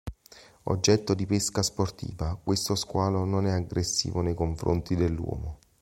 Oggetto di pesca sportiva, questo squalo non è aggressivo nei confronti dell'uomo.